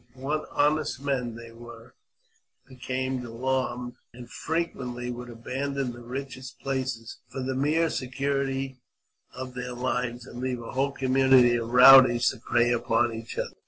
What honest men there were became alarmed, and frequently would abandon the richest places for the mere security of their Uves, and leave a whole community of rowdies to prey upon each other.